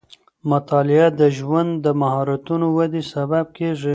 مطالعه د ژوند د مهارتونو ودې سبب کېږي.